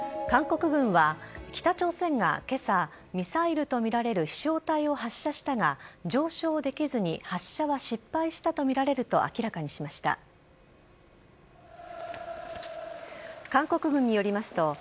韓国軍は、北朝鮮がけさ、ミサイルと見られる飛しょう体を発射したが、上昇できずに発射は失敗したと見られると、明らかにしました。